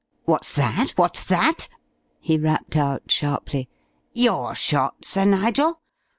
"What's that? What's that?" he rapped out, sharply. "Your shot, Sir Nigel?